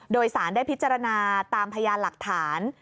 โดยสารได้พิจารณาตามพยานหลักฐาน